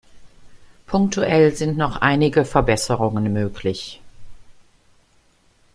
Punktuell sind noch einige Verbesserungen möglich.